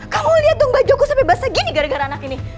kamu lihat dong bajuku sampe basah gini gara gara anak ini